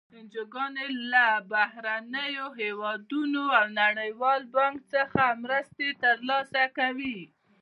انجوګانې له بهرنیو هېوادونو او نړیوال بانک څخه مرستې تر لاسه کوي.